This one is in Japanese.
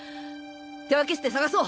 手分けして捜そう！